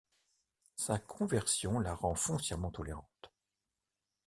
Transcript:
Sa conversion la rend foncièrement tolérante.